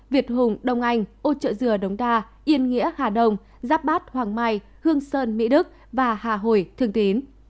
việt hùng đông anh ô trợ dừa đống đa yên nghĩa hà đông giáp bát hoàng mai hương sơn mỹ đức và hà hồi thương tín